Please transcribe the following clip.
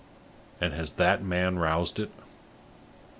And has that man roused it?"